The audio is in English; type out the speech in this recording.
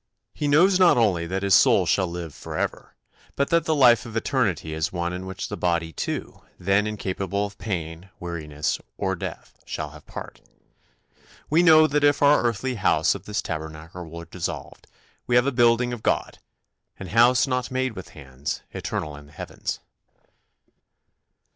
He knows not only that his soul shall live for ever, but that the life of eternity is one in which the body too, then incapable of pain, weariness, or death, shall have part. "We know that if our earthly house of this tabernacle were dissolved, we have a building of God, an house not made with hands, eternal in the heavens."